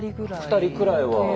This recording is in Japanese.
２人くらいは。